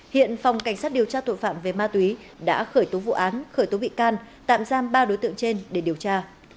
hiện phòng cảnh sát điều tra tội phạm về ma túy đã khởi tố vụ án khởi tố bị can tạm giam ba đối tượng trên để điều tra